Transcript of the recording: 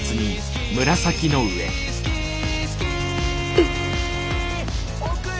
えっ？